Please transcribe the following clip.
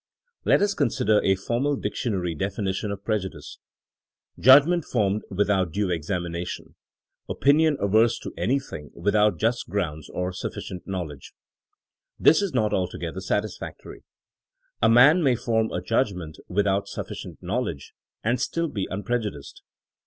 Let us consider a formal dictionary definition of prejudice: Judgment formed without due examination ; opinion adverse to anything, with out just grounds or suflScient knowledge. *' This is not altogether satisfactory. A man may form a judgment without sufficient knowl edge and still be unprejudiced.